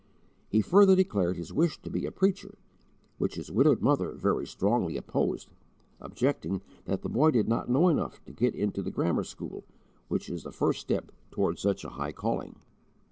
He further declared his wish to be a preacher, which his widowed mother very strongly opposed, objecting that the boy did not know enough to get into the grammar school, which is the first step toward such a high calling.